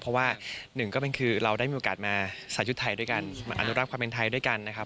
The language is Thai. เพราะว่าหนึ่งก็เป็นคือเราได้มีโอกาสมาใส่ชุดไทยด้วยกันมาอนุรักษ์ความเป็นไทยด้วยกันนะครับ